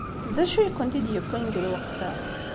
D acu ay kent-id-yewwin deg lweqt-a?